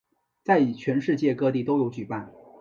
在全世界各地都有举办。